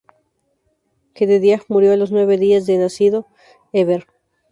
Jedediah murió a los nueves días de nacido Heber.